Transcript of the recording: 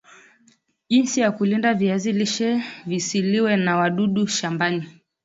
jinsi ya kulinda viazi lishe visiliwe na wadudu shambani